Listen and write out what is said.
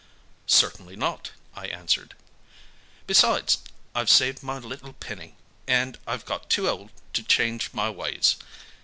"Certainly not!" I answered. "Besides, I've saved my little penny, and I'm got too old to change my ways.